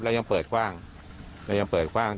ยังเปิดกว้างเรายังเปิดกว้าง